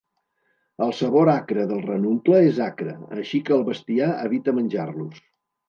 El sabor acre del ranuncle és acre, així que el bestiar evita menjar-los.